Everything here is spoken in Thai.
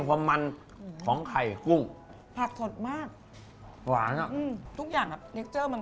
ของมันไข่ครูพักสดมากหวานอ่ะอืมทุกอย่างนะที่เจ้ามัน